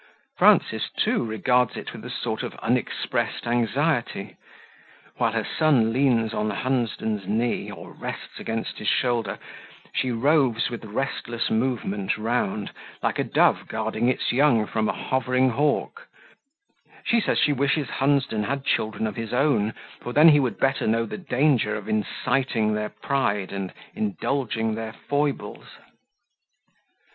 Frances, too, regards it with a sort of unexpressed anxiety; while her son leans on Hunsden's knee, or rests against his shoulder, she roves with restless movement round, like a dove guarding its young from a hovering hawk; she says she wishes Hunsden had children of his own, for then he would better know the danger of inciting their pride end indulging their foibles.